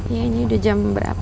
iya ini udah jam berapa nih